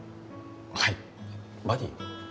はいバディ？